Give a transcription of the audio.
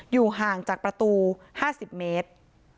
อยู่ห่างจากประตู๕๐เมตร